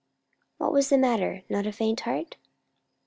"What was the matter? Not a faint heart?"